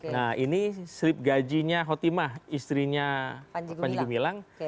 nah ini selip gajinya hotima istrinya panjegu milang